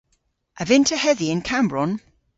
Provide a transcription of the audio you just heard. A vynn'ta hedhi yn Kammbronn?